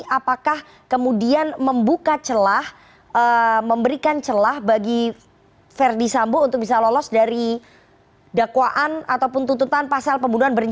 apakah kemudian membuka celah memberikan celah bagi verdi sambo untuk bisa lolos dari dakwaan ataupun tutupan pasangan